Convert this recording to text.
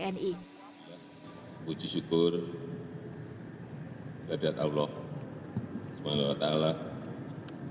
pemerintah indonesia menyatakan bahwa pembebasan itu hasil dari negosiasi antara kelompok abu sayyaf dengan pihak tni